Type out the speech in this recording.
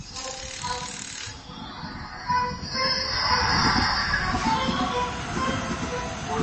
لوټه ايږدي پښه پر ايږدي.